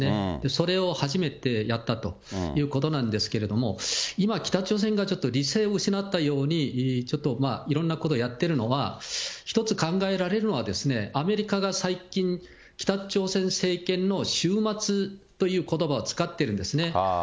それを初めてやったということなんですけれども、今、北朝鮮がちょっと理性を失ったように、ちょっといろんなことやってるのは、一つ考えられるのは、アメリカが最近、北朝鮮政権の終末ということばを使っているんですね。